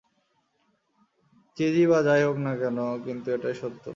Cheesy বা যাই হোক না কেন, কিন্তু এটাই সত্য।